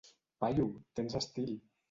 Paio, tens estil!